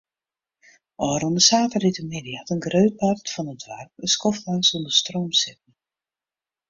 Ofrûne saterdeitemiddei hat in grut part fan it doarp in skoftlang sûnder stroom sitten.